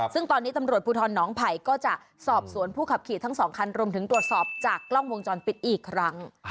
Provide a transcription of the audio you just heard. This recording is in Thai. ซึ่งตอนนี้ตำรวจภูทรน้องไผ่ก็จะสอบสวนผู้ขับขี่ทั้งสองคันรวมถึงตรวจสอบจากกล้องวงจรปิดอีกครั้ง